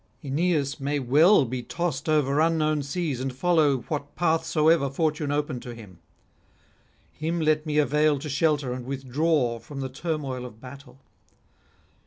Aeneas may well be tossed over unknown seas and follow what path soever fortune open to him; him let me avail to shelter and withdraw from the turmoil of battle.